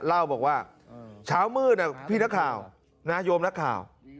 เล่าบอกว่าเช้ามืดพี่นักข่าวนะโยมนักข่าว